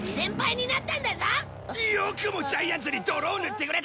よくもジャイアンズに泥を塗ってくれたな！